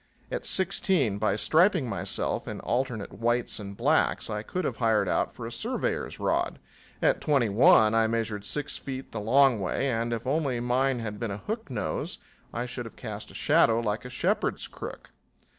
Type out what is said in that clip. At sixteen, by striping myself in alternate whites and blacks, I could have hired out for a surveyor's rod. At twenty one I measured six feet the long way, and if only mine had been a hook nose I should have cast a shadow like a shepherd's crook.